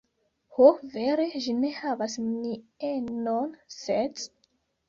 Ho, vere ĝi ne havas mienon, sed...